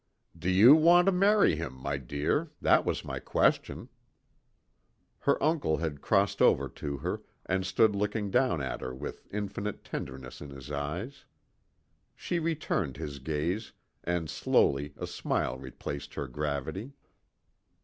"Do you want to marry him, my dear? That was my question." Her uncle had crossed over to her and stood looking down at her with infinite tenderness in his eyes. She returned his gaze, and slowly a smile replaced her gravity.